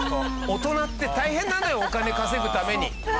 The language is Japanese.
大人って大変なのよお金稼ぐために。